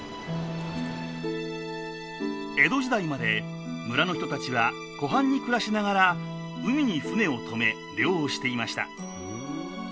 江戸時代まで村の人たちは湖畔に暮らしながら海に船をとめ漁をしていました。